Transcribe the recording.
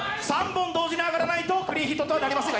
３本同時に上がらないとクリーンヒットにはなりません。